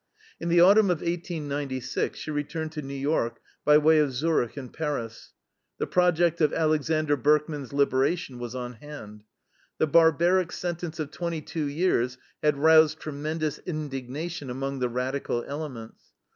In the autumn of 1896 she returned to New York by way of Zurich and Paris. The project of Alexander Berkman's liberation was on hand. The barbaric sentence of twenty two years had roused tremendous indignation among the radical elements.